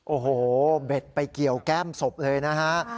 โอ้โหเบ็ดไปเกี่ยวแก้มศพเลยนะฮะ